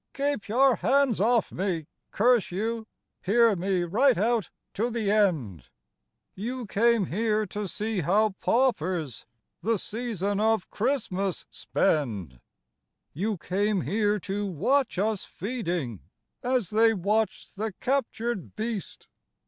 Keep your hands off me, curse you ! Hear me right out to the end. You came here to see how paupers The season of Christmas spend. JN THE WORKHOUSE. ii You came here to watch us feeding, A$ they watch the captured beast.